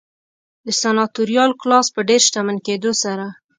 د سناتوریال کلاس په ډېر شتمن کېدو سره